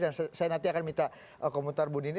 dan saya nanti akan minta komentar bundi ini